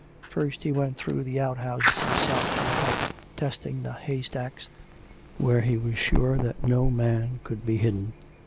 First he went through the out houses, himself with a pike testing the haystacks, where he was sure that no man could be hidden.